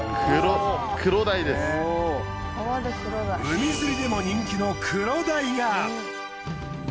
海釣りでも人気のクロダイが。